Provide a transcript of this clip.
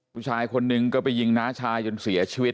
ผู้ชายคนนึงก็ไปยิงน้าชายจนเสียชีวิต